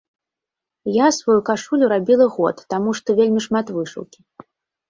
Я сваю кашулю рабіла год, таму што вельмі шмат вышыўкі.